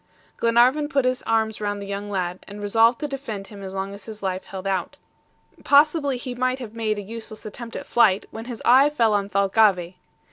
Glenarvan put his arms round the young lad, and resolved to defend him as long as his life held out. Possibly he might have made a useless attempt at flight when his eye fell on Thalcave.